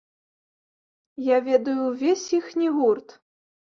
Я ведаю ўвесь іхні гурт.